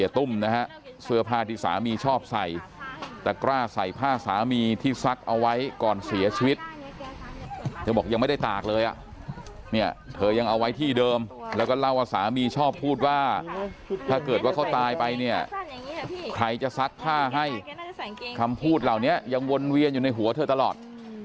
เธอบอกยังไม่ได้ตากเลยอะเธอยังเอาไว้ที่เดิมแล้วก็เล่าว่าสามีชอบพูดว่าถ้าเกิดว่าเขาตายไปเนี่ยใครจะซัดผ้าให้คำพูดเหล่านี้ยังวนเวียนอยู่ในหัวเธอตลอด